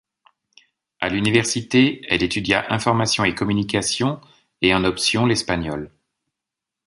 À l'université, elle étudia information et communication et en option, l'espagnol.